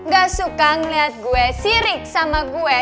gak suka ngelihat gue sirik sama gue